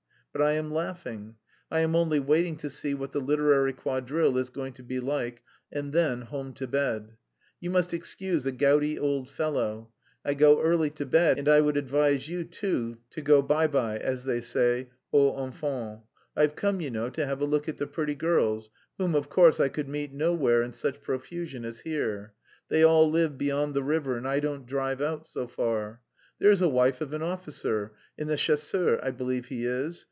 But I am laughing. I am only waiting to see what the 'literary quadrille' is going to be like, and then home to bed. You must excuse a gouty old fellow. I go early to bed, and I would advise you too to go 'by by,' as they say aux enfants. I've come, you know, to have a look at the pretty girls... whom, of course, I could meet nowhere in such profusion as here. They all live beyond the river and I don't drive out so far. There's a wife of an officer... in the chasseurs I believe he is...